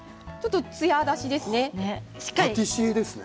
つや出しですね。